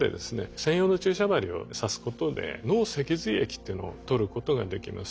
専用の注射針を刺すことで脳脊髄液っていうのを採ることができます。